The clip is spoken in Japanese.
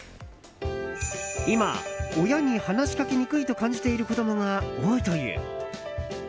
今、親に話しかけにくいと感じている子供が多いという。